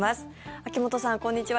秋本さん、こんにちは。